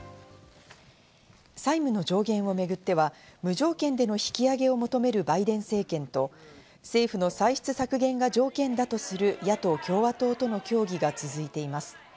債務の上限をめぐっては、無条件での引き上げを求めるバイデン政権と、政府の歳出削減が条件だとする野党・共和党との協議が続いています。